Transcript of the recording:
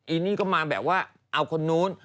นี่ก็มาแบบว่าเอาคนนู้น